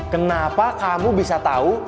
kenapa kamu bisa tahu